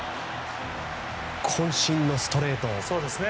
渾身のストレート。